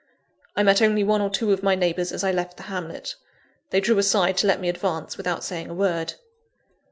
I met only one or two of my neighbours as I left the hamlet. They drew aside to let me advance, without saying a word.